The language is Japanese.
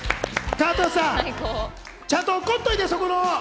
加藤さん、ちゃんと怒っといて、そこの。